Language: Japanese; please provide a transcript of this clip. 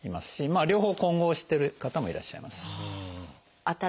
あ両方混合してる方もいらっしゃいます。